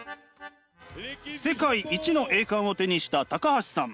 世界一の栄冠を手にした橋さん。